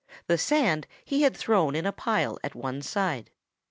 The sand he had thrown in a pile at one side.